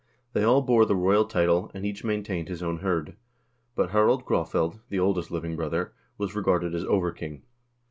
They all bore the royal title, and each maintained his own hird, but Harald Graafeld, the oldest living brother, was regarded as over king.